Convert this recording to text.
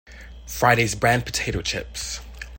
Friday's brand potato chips.